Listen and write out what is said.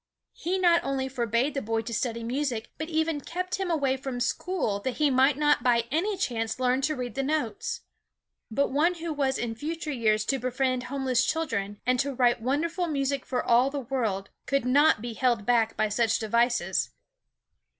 He not only forbade the boy to study music, but even kept him away from school that he might not by any chance learn to read the notes. But one who was in future years to befriend homeless children and to write wondrous music for all the world could not be held back by such devices.